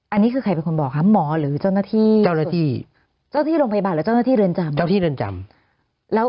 อันนี้คือใครเป็นคนบอกคะหมอหรือเจ้าหน้าที่เจ้าหน้าที่เจ้าที่โรงพยาบาลหรือเจ้าหน้าที่เรือนจำเจ้าที่เรือนจำแล้ว